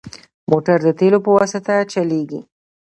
موټر د تیلو په واسطه چلېږي.